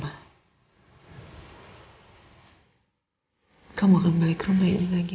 hai kamu kembali ke rumah ini lagi